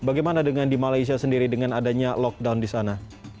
bagaimana dengan di malaysia sendiri dengan adanya lockdown di sana